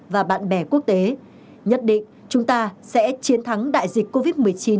và bạn bè quốc tế nhất định chúng ta sẽ chiến thắng đại dịch covid một mươi chín